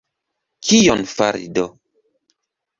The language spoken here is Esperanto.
Kion fari do?